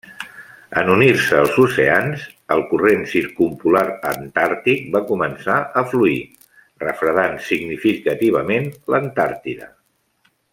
En unir-se els oceans, el corrent circumpolar antàrtic va començar a fluir, refredant significativament l'Antàrtida.